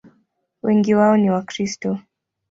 Wengi wao ni Wakristo.